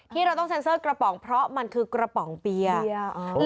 ที่เราต้องเซ็นเซอร์กระป๋องเพราะมันคือกระป๋องเปียก